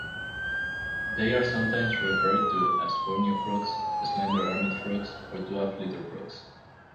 They are sometimes referred to as Borneo frogs, slender-armed frogs, or dwarf litter frogs.